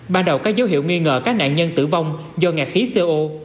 ban đầu có dấu hiệu nghi ngờ các nạn nhân tử vong do ngạt khí co